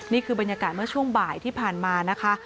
นี่คือบรรยากาศเมื่อช่วงบ่ายที่ผ่านมานะคะ